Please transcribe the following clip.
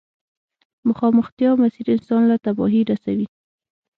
مخامختيا مسير انسان له تباهي رسوي.